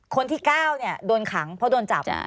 คนที่๙โดนขังเพราะโดนจับ